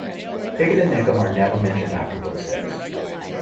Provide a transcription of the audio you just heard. Picket and Nickum are never mentioned after book six.